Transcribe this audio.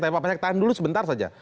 tapi pak pajak tahan dulu sebentar saja